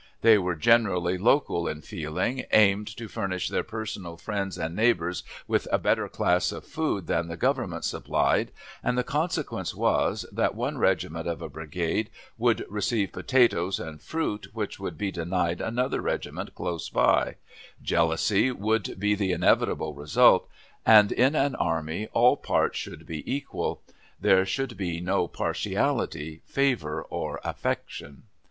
They were generally local in feeling, aimed to furnish their personal friends and neighbors with a better class of food than the Government supplied, and the consequence was, that one regiment of a brigade would receive potatoes and fruit which would be denied another regiment close by: Jealousy would be the inevitable result, and in an army all parts should be equal; there should be no "partiality, favor, or affection."